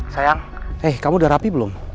sayang hei kamu udah rapi belum